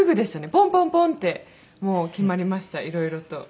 ポンポンポンってもう決まりましたいろいろと。